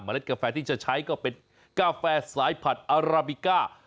เล็ดกาแฟที่จะใช้ก็เป็นกาแฟสายผัดอาราบิก้า